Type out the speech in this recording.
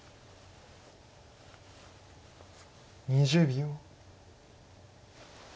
２０秒。